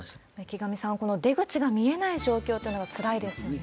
池上さん、この出口が見えない状況というのがつらいですよね。